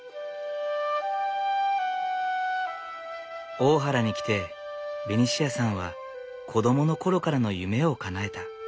大原に来てベニシアさんは子供の頃からの夢をかなえた。